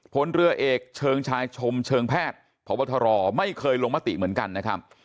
พลเรือเอกเชิงชายชมเชิงแพทย์พบทรไม่เคยลงมติเหมือนกันนะครับ